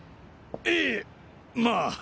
ええまあ。